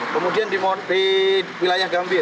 kemudian di wilayah gambir